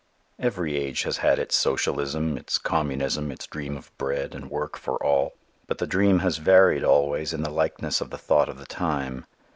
Every age has had its socialism, its communism, its dream of bread and work for all. But the dream has varied always in the likeness of the thought of the time.